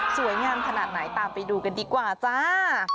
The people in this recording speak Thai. สวยงามพนัดไหนตามไปดูกันดีกว่าจ้า